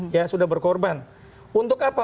ya sudah berkorban untuk apa